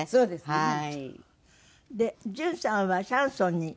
はい。